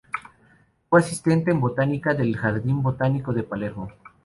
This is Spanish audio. Fue asistente en botánica del Jardín Botánico de Palermo.